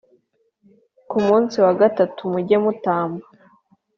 Ku munsi wagatatu mujye mutamba